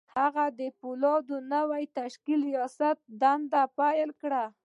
هغه د پولادو د نوي تشکیل د رياست دنده پیل کړه